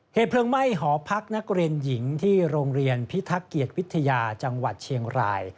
เหตุเพลิงไหม้หอพักนักเรียนหญิงที่โรงเรียนพิทักเกียรติวิทยาจังหวัดเชียงราย